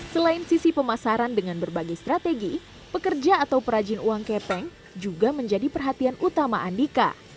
selain sisi pemasaran dengan berbagai strategi pekerja atau perajin uang kepeng juga menjadi perhatian utama andika